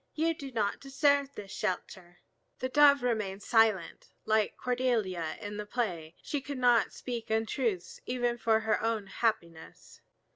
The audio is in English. You do not deserve this shelter." The Dove remained silent. Like Cordelia in the play, she could not speak untruths even for her own happiness.